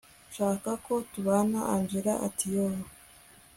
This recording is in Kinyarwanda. nshaka ko tubana angella ati yoooh